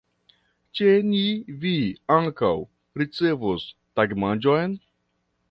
Ĉe ni vi ankaŭ ricevos tagmanĝon.